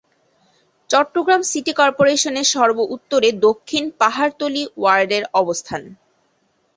Chittagong city কর্পোরেশনের সর্ব-উত্তরে দক্ষিণ পাহাড়তলী ওয়ার্ডের অবস্থান।